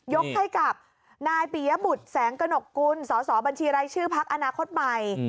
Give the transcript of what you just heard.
ยกให้กับนายปิยบุตรแสงกระหนกกุลสอสอบัญชีรายชื่อพักอนาคตใหม่